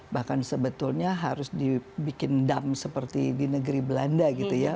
bahkan sebetulnya harus dibikin dam seperti di negeri belanda gitu ya